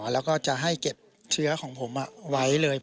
แล้วก็จะให้เก็บเชื้อของผมไว้เลย